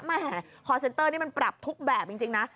แหมคอร์เซ็นเตอร์นี่มันปรับทุกแบบจริงนะ